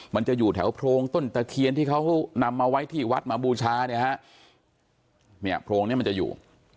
มันจะอยู่แถวโพรงต้นตะเคียนที่เขานำมาไว้ที่วัดมาบูชาเนี่ยฮะเนี่ยโพรงนี้มันจะอยู่